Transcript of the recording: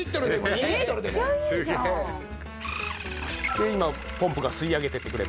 で今ポンプが吸い上げていってくれます。